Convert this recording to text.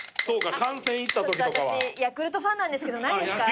私ヤクルトファンなんですけどないんですか？